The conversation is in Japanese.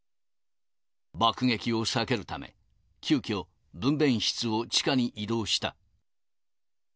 爆撃を避けるため、急きょ、分べん室を地下に移動した。